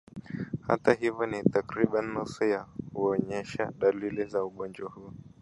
Hata hivyo ni takribani nusu yao huonyesha dalili za ugonjwa huo